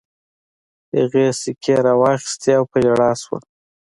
هغې سيکې را واخيستې او په ژړا شوه.